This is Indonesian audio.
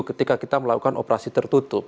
ketika kita melakukan operasi tertutup